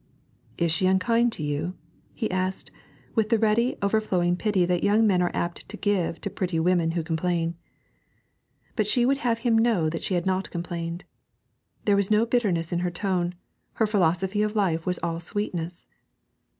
'Is she unkind to you?' he asked, with the ready, overflowing pity that young men are apt to give to pretty women who complain. But she would have him know that she had not complained. There was no bitterness in her tone her philosophy of life was all sweetness.